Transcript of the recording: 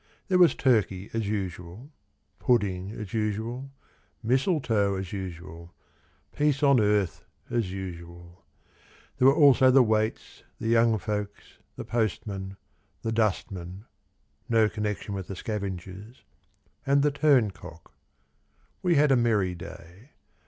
There was turkey as usual, Pudding as usual, Mistletoe as usual, Peace on earth as usual. There were also the waits, The young folks, The postman, The dustman (No connection with the scavengers), And the turncock. We had a merry day.